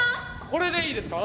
これでいいですか？